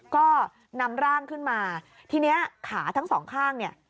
ก็นำร่างขึ้นมาทีเนี้ยขาทั้งสองข้างเนี่ย